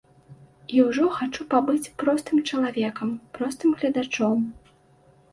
І ўжо хачу пабыць простым чалавекам, простым гледачом.